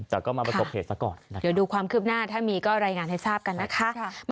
แต่ก็มาประสบเหตุซะก่อนเดี๋ยวดูความคืบหน้าถ้ามีก็รายงานให้ทราบกันนะคะ